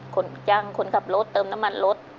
คนจ้างคนขับรถเติมน้ำมันรถ